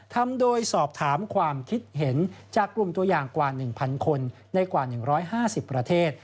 ทำโดยสอบถามความคิดเห็นจากกลุ่มตัวอย่างกว่า๑๐๐คนได้กว่า๑๕๐ประเทศ